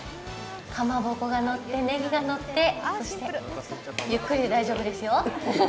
かまぼこがのって、ねぎがのってゆっくりで大丈夫ですよ。